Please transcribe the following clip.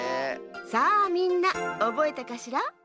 さあみんなおぼえたかしら？